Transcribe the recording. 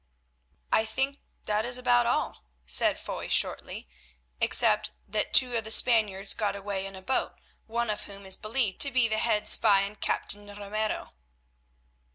"I think that is about all," said Foy shortly, "except that two of the Spaniards got away in a boat, one of whom is believed to be the head spy and captain, Ramiro."